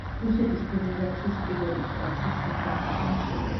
რუსეთის ფედერაციის პირველი კლასის სახელმწიფო მრჩეველი.